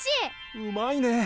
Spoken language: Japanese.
うまいね！